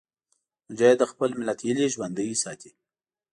مجاهد د خپل ملت هیلې ژوندي ساتي.